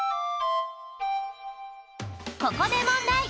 ここで問題！